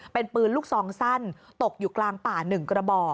เป็นปืนลูกซองสั้นตกอยู่กลางป่า๑กระบอก